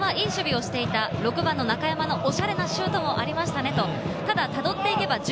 前半はいい守備をしていた、６番・中山のおしゃれなシュートもありましたねと。